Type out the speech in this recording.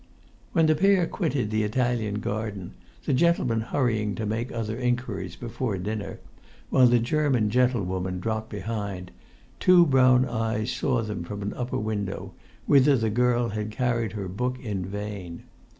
When the pair quitted the Italian garden, the gentleman hurrying to make other inquiries before dinner, while the German gentlewoman dropped behind, two brown eyes saw them from an upper window, whither the girl had carried her book in vain.